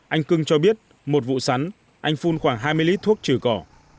anh cưng cho biết một vụ sắn anh phun khoảng hai mươi lít thuốc trừ cỏ